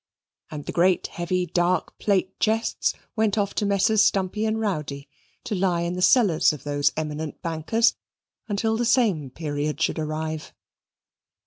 And the great heavy dark plate chests went off to Messrs. Stumpy and Rowdy, to lie in the cellars of those eminent bankers until the same period should arrive.